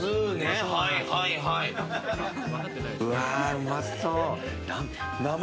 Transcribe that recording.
うまそう！